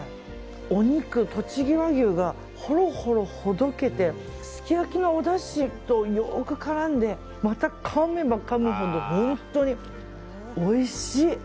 お肉、とちぎ和牛がほろほろほどけてすき焼きのおだしとよく絡んでまた、かめばかむほど本当においしい！